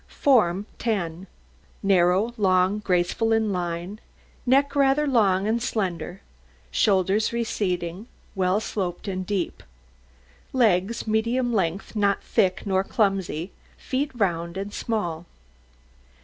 FORM 10 Narrow, long, graceful in line, neck rather long and slender; shoulders receding, well sloped and deep; legs medium length, not thick nor clumsy; feet round and small.